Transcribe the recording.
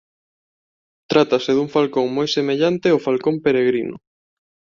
Trátase dun falcón moi semellante ó falcón peregrino.